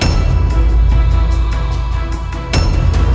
berguna apa partners rupanya dia sudah